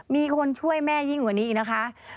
มีคนช่วยแม่ยิ่งกว่านี้อีกนะคะ